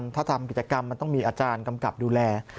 ถ้าทำกิจกรรมมันต้องมีอาจารย์กำกับดูแล